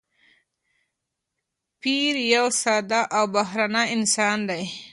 پییر یو ساده او مهربان انسان دی.